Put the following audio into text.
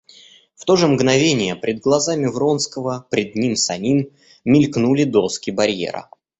В то же мгновение пред глазами Вронского, пред ним самим, мелькнули доски барьера.